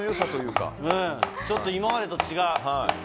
うんちょっと今までと違う。